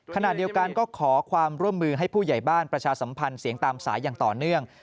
ขณะเดียวกันก็ขอความร่วมมือให้ผู้ใหญ่บ้านประชาสัมพันธ์เสียงตามสายอย่างต่อเนื่อง